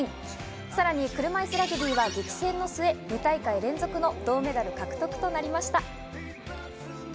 さらに車いすラグビーは激戦の末、２大会連続の銅メダル獲得となりました。